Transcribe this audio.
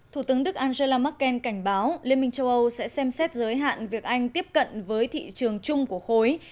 thủ tướng đức angela merkel cảnh báo liên minh châu âu sẽ xem xét giới hạn việc anh tiếp cận với thị trường chung của khối